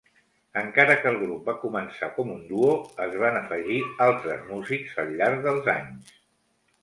Encara que el grup va començar com un duo, es van afegir altres músics al llarg dels anys.